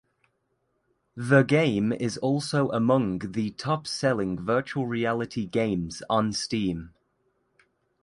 The game is also among the top selling virtual reality games on Steam.